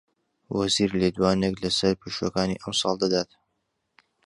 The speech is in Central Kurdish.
وەزیر لێدوانێک لەسەر پشووەکانی ئەمساڵ دەدات